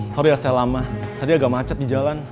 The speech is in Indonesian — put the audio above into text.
sorry ya saya lama tadi agak macet di jalan